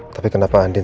tapi kenapa andien